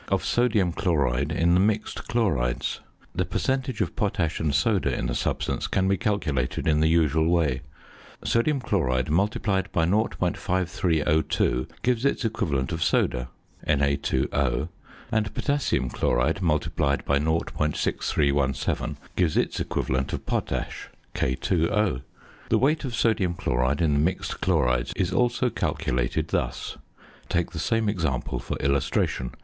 of sodium chloride in the mixed chlorides. The percentage of potash and soda in the substance can be calculated in the usual way. Sodium chloride multiplied by 0.5302 gives its equivalent of soda (Na_O), and potassium chloride multiplied by 0.6317 gives its equivalent of potash (K_O). The weight of sodium chloride in the mixed chlorides is also calculated thus: Take the same example for illustration.